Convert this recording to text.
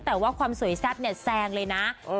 แต่ว่าความสวยแซ่บเนี่ยแซงเลยนะ